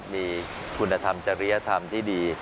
มีคุณธรรมจริยธรรมที่ดี